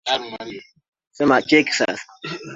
Namna pekee ya kupiga hatua ni kutumia diplomasia vema